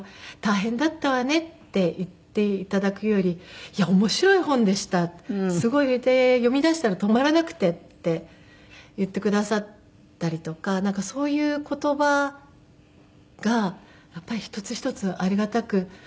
大変だったわねって言って頂くより面白い本でした読みだしたら止まらなくてって言ってくださったりとかそういう言葉がやっぱり一つ一つありがたく。